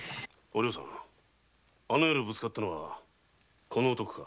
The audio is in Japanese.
お涼さんあの夜ぶつかったのはこの男か？